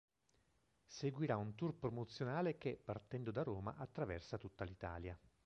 Seguirà un tour promozionale che, partendo da Roma, attraversa tutta l'Italia.